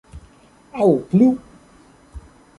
Aŭ plu.